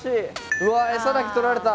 うわ餌だけとられた！